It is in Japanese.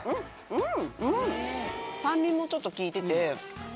うん！